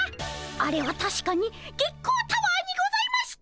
あれはたしかに月光タワーにございました。